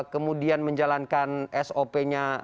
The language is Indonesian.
kemudian menjalankan sop nya